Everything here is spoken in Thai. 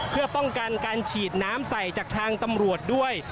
เพื่อป้องกันการฉีดน้ำใส่จากทางตำรวจด้วย